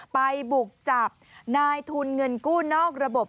ไปบุกจับนายทุนเงินกู้นอกระบบ